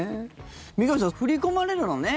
三上さん、振り込まれるのね。